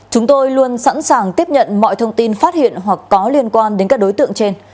chúng tôi luôn sẵn sàng tiếp nhận mọi thông tin phát hiện hoặc có liên quan đến các đối tượng trên